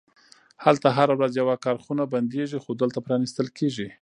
هلته هره ورځ یوه کارخونه بندیږي، خو دلته پرانیستل کیږي